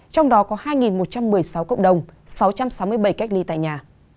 trong đó có hai một trăm một mươi sáu cộng đồng sáu trăm sáu mươi bảy cách ly tại nhà